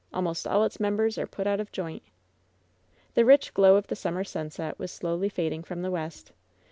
Almost all its mem bers are put out of joint." The rich glow of the summer sunset was slowly fading from the west.